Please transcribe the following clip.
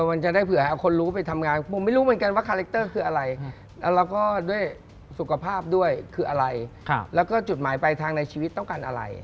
มันจะได้เผื่อเอาคนรู้ไปทำงาน